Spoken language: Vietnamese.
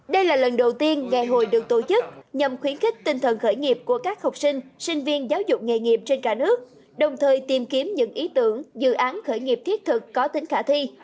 đây là lần đầu tiên ngày hội được tổ chức nhằm khuyến khích tinh thần khởi nghiệp của các học sinh sinh viên giáo dục nghề nghiệp trên cả nước đồng thời tìm kiếm những ý tưởng dự án khởi nghiệp thiết thực có tính khả thi